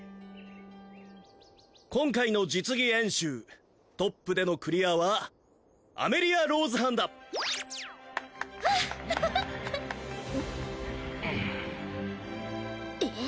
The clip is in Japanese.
今回の実技演習トップでのクリアはアメリア＝ローズ班だえっ